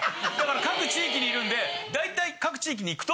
各地域にいるんで大体。